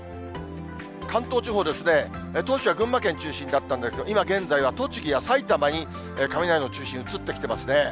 関東地方ですね、当初は群馬県中心だったんですが、今現在は栃木や埼玉に雷の中心移ってきていますね。